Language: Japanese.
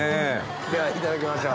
ではいただきましょう。